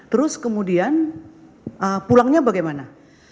terus kemudian pulangnya bagaimana